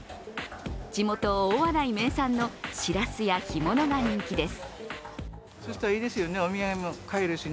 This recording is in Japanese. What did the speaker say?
地元・大洗名産のしらすや干物が人気です。